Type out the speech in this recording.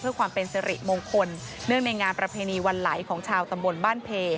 เพื่อความเป็นสิริมงคลเนื่องในงานประเพณีวันไหลของชาวตำบลบ้านเพ